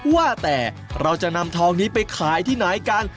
ว่าแต่เราจะนำทองนี้ไปขายที่ไหนกัน